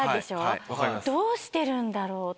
どうしてるんだろう？と。